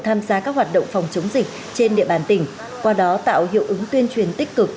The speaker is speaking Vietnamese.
tham gia các hoạt động phòng chống dịch trên địa bàn tỉnh qua đó tạo hiệu ứng tuyên truyền tích cực